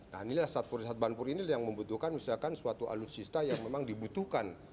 nah inilah satuan satuan bantuan ini yang membutuhkan misalkan suatu alutsista yang memang dibutuhkan